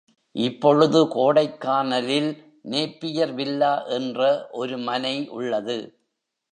இப்பொழுது கோடைக் கானலில் Napier villa என்ற ஒரு மனை உள்ளது.